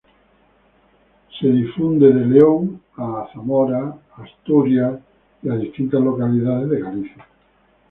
Se difunde de León a Zamora, Asturias, en distintas localidades de Galicia...